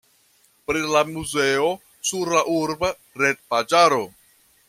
Pri la muzeo sur la urba retpaĝaro.